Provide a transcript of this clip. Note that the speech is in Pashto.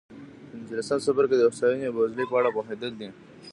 پنځلسم څپرکی د هوساینې او بېوزلۍ په اړه پوهېدل دي.